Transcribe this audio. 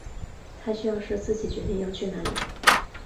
他需要是自己决定要去哪里